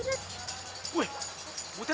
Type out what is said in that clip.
nah kalian ustadz